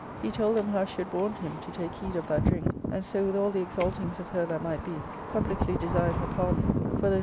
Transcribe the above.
He told them how she had warned him to take heed of that drink ; and so with all the exaltings of her that might be, publicly desired her pardon for those errors * Garboils — Fr.